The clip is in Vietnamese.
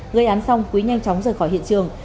gây án xong quý nhanh chóng rời khỏi hiện trường